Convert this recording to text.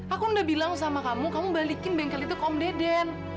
aku udah bilang sama kamu kamu balikin bengkel itu ke om deden